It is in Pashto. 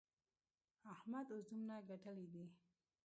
احمد اوس دومره ګټلې دي.